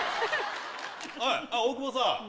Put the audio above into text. はいあっ大久保さん。